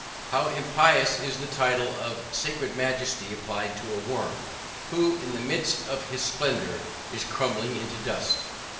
How impious is the title of sacred majesty applied to a worm, who in the midst of his splendor is crumbling into dust!